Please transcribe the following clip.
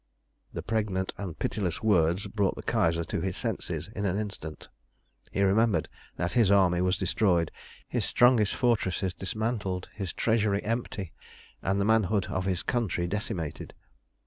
The pregnant and pitiless words brought the Kaiser to his senses in an instant. He remembered that his army was destroyed, his strongest fortresses dismantled, his treasury empty, and the manhood of his country decimated.